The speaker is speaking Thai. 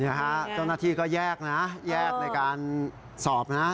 เนี่ยฮะต้นที่ก็แยกนะฮะแยกในการสอบนะฮะ